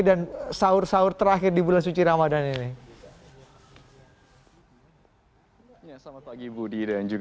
dan sahur sahur terakhir di bulan suci ramadan